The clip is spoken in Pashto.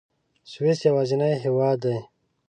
سویس یوازینی هېواد دی.